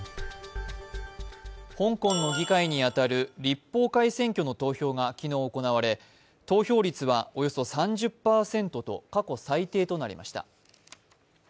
香港の議会に当たる立法会選挙の投票が昨日行われ、投票率はおよそ３０％と過去最低となりました。